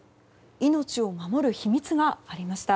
命を守る秘密がありました。